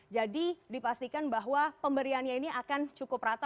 jadi dipastikan bahwa pemberiannya ini akan cukup rata